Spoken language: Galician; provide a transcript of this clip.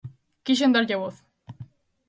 Quixen darlle voz.